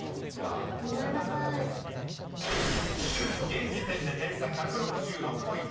［現時点で点差１６６ポイント］